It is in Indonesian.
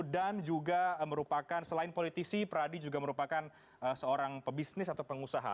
dan juga merupakan selain politisi pradi juga merupakan seorang pebisnis atau pengusaha